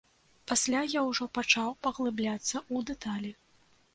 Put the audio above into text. Пасля я ўжо пачаў паглыбляцца ў дэталі.